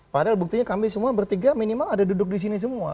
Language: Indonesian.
padahal buktinya kami semua bertiga minimal ada duduk di sini semua